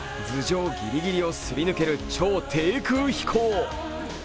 頭上ギリギリをすり抜ける超低空飛行。